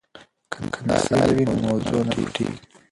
که مثال وي نو موضوع نه پټیږي.